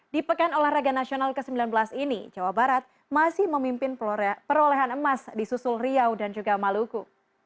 di pekan olahraga nasional ke sembilan belas ini jawa barat masih memimpin perolehan emas di susul riau dan juga maluku